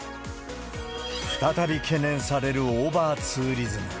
再び懸念されるオーバーツーリズム。